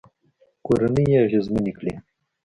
کورنۍ يې اغېزمنې کړې